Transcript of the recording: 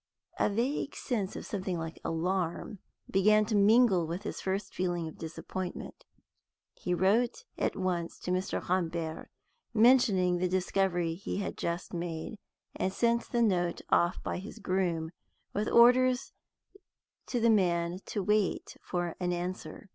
A vague sense of something like alarm began to mingle with his first feeling of disappointment. He wrote at once to Mr. Rambert, mentioning the discovery he had just made, and sent the note off by his groom, with orders to the man to wait for an answer.